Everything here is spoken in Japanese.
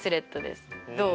どう？